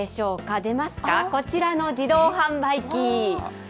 出ますか、こちらの自動販売機。